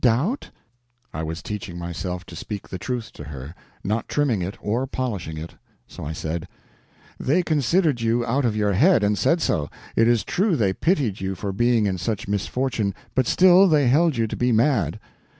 Doubt?" I was teaching myself to speak the truth to her, not trimming it or polishing it; so I said: "They considered you out of your head, and said so. It is true they pitied you for being in such misfortune, but still they held you to be mad."